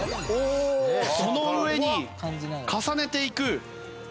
おおーっその上に重ねていく。